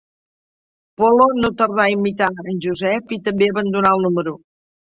Polo no tardà a imitar en Josep i també abandonà el número.